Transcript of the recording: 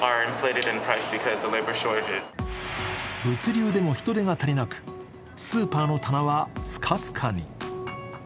物流でも人手が足りなくスーパーの棚はスカスカに。